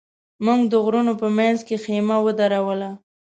موږ د غرونو په منځ کې خېمه ودروله.